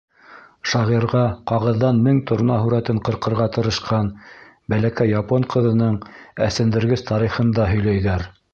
Шағирға ҡағыҙҙан мең торна һүрәтен ҡырҡырға тырышҡан бәләкәй япон ҡыҙының әсендергес тарихын да һөйләйҙәр.